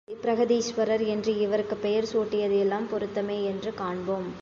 பெரு உடையார், பிரஹதீசுவரர் என்று இவருக்குப் பெயர் சூட்டியது எல்லாம் பொருத்தமே என்று காண்போம்.